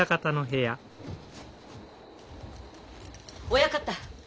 親方